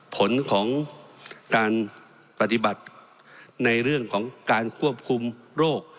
ผลของการปฏิบัติในเรื่องของการควบคุมโรค